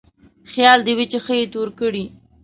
خيال دې وي چې ښه يې تور کړې.